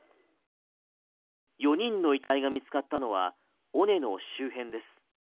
４人の遺体が見つかったのは尾根の周辺です。